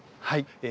はい。